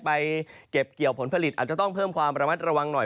ไปเก็บเกี่ยวผลผลิตอาจจะต้องเพิ่มความระมัดระวังหน่อย